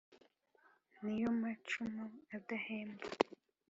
Ni yo macumu adahemba